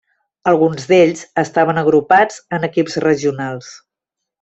Alguns d'ells estaven agrupats en equips regionals.